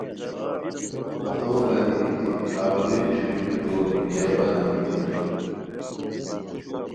ہتو گانی گیتی اولوئیچھوئے بیکو ای بیابانہ انگیتی اسور